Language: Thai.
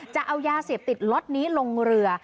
จะเอายาเสพติดล็อตนี้ลงเรือ